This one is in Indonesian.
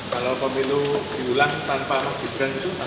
kalau pemilu ulang tanpa harus diberan itu relevan